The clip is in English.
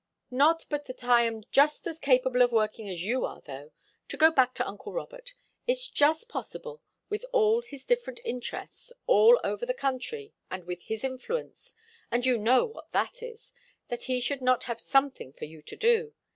Not but that I'm just as capable of working as you are, though. To go back to uncle Robert. It's just impossible, with all his different interests, all over the country, and with his influence and you know what that is that he should not have something for you to do.